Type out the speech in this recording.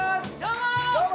どうも！